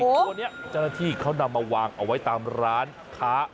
ตัวนี้เจ้าหน้าที่เขานำมาวางเอาไว้ตามร้านค้า